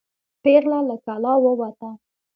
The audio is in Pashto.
پیغله له کلا ووته.